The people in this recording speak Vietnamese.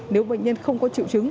nếu bệnh nhân không có triệu chứng